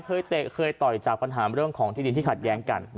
เตะเคยต่อยจากปัญหาเรื่องของที่ดินที่ขัดแย้งกัน